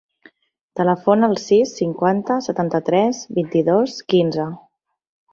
Telefona al sis, cinquanta, setanta-tres, vint-i-dos, quinze.